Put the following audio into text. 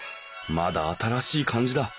まだ新しい感じだ。